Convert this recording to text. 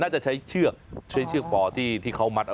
จะใช้เชือกใช้เชือกปอที่เขามัดเอา